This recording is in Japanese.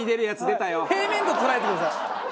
平面と捉えてください。